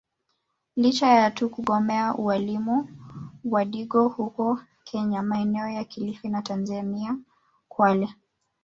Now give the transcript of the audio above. Licha tu ya kugomea elimu wadigo huko kenya maeneo ya kilifi na Tanzania Kwale